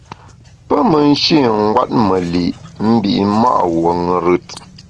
Pe me nshî ngwet me li’ mbi’ ma’ wuo ṅùrùt.